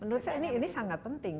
menurut saya ini sangat penting